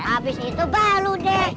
abisitu balu deh